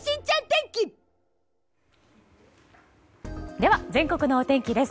では全国のお天気です。